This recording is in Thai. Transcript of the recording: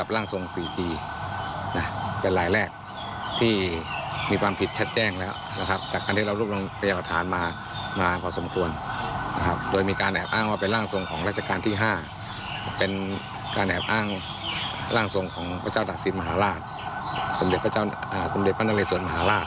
และเป็นร่างทรงชน